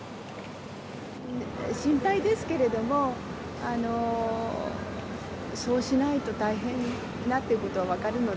心配ですけれども、そうしないと大変だということは分かるので。